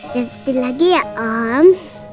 jangan sedih lagi ya om